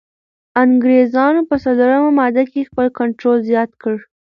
انګریزانو په څلورمه ماده کي خپل کنټرول زیات کړ.